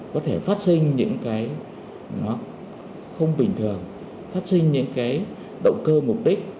có thể phát sinh những cái nó không bình thường phát sinh những cái động cơ mục đích